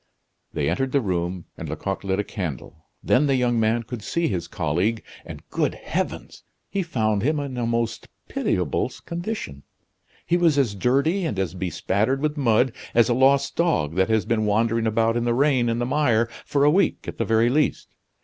They entered the room, and Lecoq lit a candle. Then the young man could see his colleague, and, good heavens! he found him in a most pitiable condition. He was as dirty and as bespattered with mud as a lost dog that has been wandering about in the rain and the mire for a week at the very least.